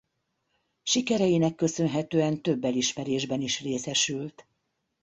Sikereinek köszönhetően több elismerésben is részesült.